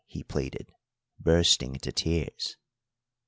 he pleaded, bursting into tears.